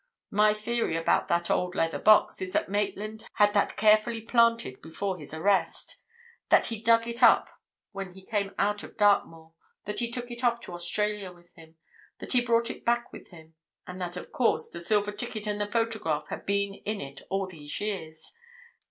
My theory about that old leather box is that Maitland had that carefully planted before his arrest; that he dug it up when he came put of Dartmoor; that he took it off to Australia with him; that he brought it back with him; and that, of course, the silver ticket and the photograph had been in it all these years.